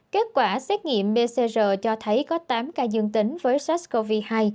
kết quả xét nghiệm pcr cho thấy có tám ca dương tính với sars cov hai